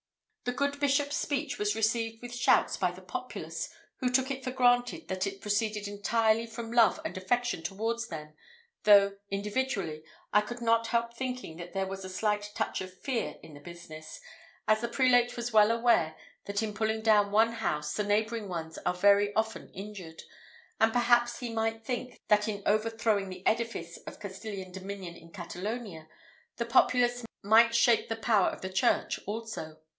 The good Bishop's speech was received with shouts by the populace, who took it for granted that it proceeded entirely from love and affection towards them, though, individually, I could not help thinking that there was a slight touch of fear in the business, as the prelate was well aware that in pulling down one house the neighbouring ones are very often injured; and perhaps he might think, that in overthrowing the edifice of Castilian dominion in Catalonia, the populace might shake the power of the church also.